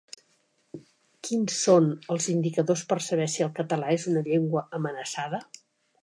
Quins són els indicadors per saber si el català és una llengua amenaçada?